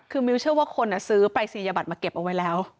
คือมิ้วเชื่อว่าคนซื้อปรายศนียบัตรมาเก็บเอาไว้แล้ว